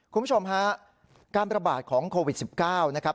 คุณผู้ชมฮะการประบาดของโควิด๑๙นะครับ